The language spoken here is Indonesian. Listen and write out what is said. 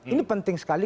ini penting sekali